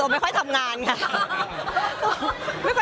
ก็คือพี่ที่อยู่เชียงใหม่พี่อธค่ะ